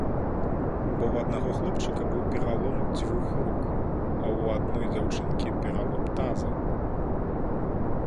Бо ў аднаго хлопчыка быў пералом дзвюх рук, а ў адной дзяўчынкі пералом таза.